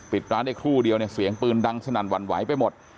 ปิดร้านได้ครู่เดียวเนี่ยเสียงปืนดังสนั่นหวั่นไหวไปหมด